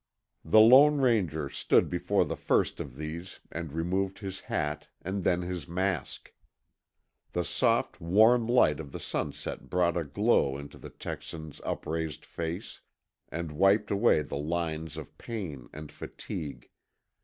The Lone Ranger stood before the first of these and removed his hat and then his mask. The soft, warm light of the sunset brought a glow into the Texan's upraised face and wiped away the lines of pain and fatigue.